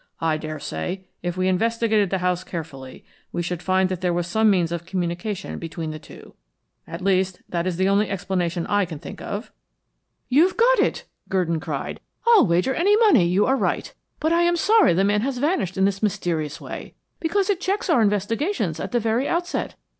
I daresay if we investigated the house carefully we should find that there was some means of communication between the two; at least, that is the only explanation I can think of." "You've got it," Gurdon cried. "I'll wager any money, you are right. But I am sorry the man has vanished in this mysterious way, because it checks our investigations at the very outset.